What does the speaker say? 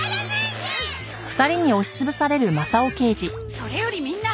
それよりみんな！